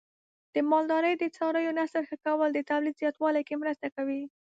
د مالدارۍ د څارویو نسل ښه کول د تولید زیاتوالي کې مرسته کوي.